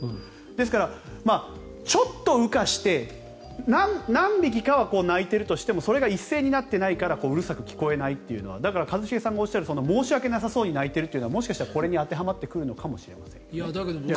ですから、ちょっと羽化して何匹かは鳴いているとしてもそれが一斉になっていないからうるさく聞こえないというだから一茂さんがおっしゃる申し訳なさそうに鳴いているというのはもしかしたらこれに当てはまってくるのかもしれません。